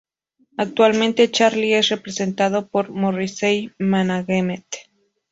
Actualmente Charlie es representado por "Morrissey Management".